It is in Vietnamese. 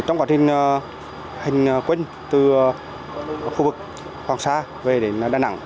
trong quá trình hình quên từ khu vực hoàng sa về đến đà nẵng